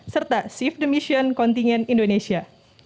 serta sift mission kontinen indonesia